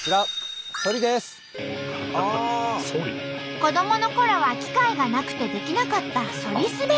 子どものころは機会がなくてできなかったソリ滑り。